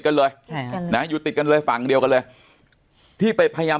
กันเลยใช่ค่ะนะอยู่ติดกันเลยฝั่งเดียวกันเลยที่ไปพยายาม